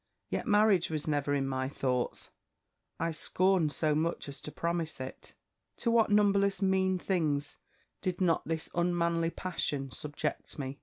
Yet marriage was never in my thoughts: I scorned so much as to promise it. "To what numberless mean things did not this unmanly passion subject me!